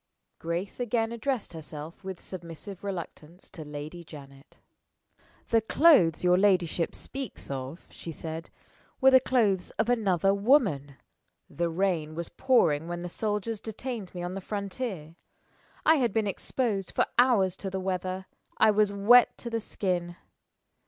Grace again addressed herself with submissive reluctance to Lady Janet. "The clothes your ladyship speaks of," she said, "were the clothes of another woman. The rain was pouring when the soldiers detained me on the frontier. I had been exposed for hours to the weather I was wet to the skin.